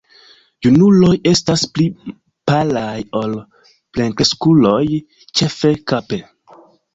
Junuloj estas pli palaj ol plenkreskuloj, ĉefe kape.